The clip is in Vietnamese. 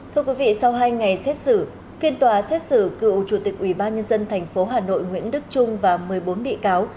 thưa quý vị sau hai ngày xét xử phiên tòa xét xử cựu chủ tịch ubnd tp hà nội nguyễn đức trung và một mươi bốn bị cáo